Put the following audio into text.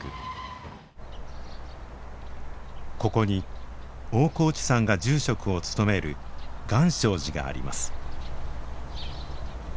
ここに大河内さんが住職を務める願生寺があります。